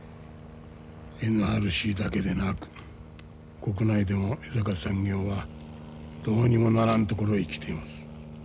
ＮＲＣだけでなく国内でも江坂産業はどうにもならんところへ来ています。